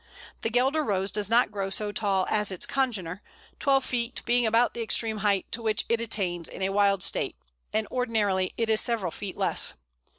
The Guelder Rose does not grow so tall as its congener, twelve feet being about the extreme height to which it attains in a wild state, and ordinarily it is several feet less.